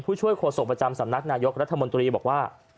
ช่วยโฆษกประจำสำนักนายกรัฐมนตรีบอกว่า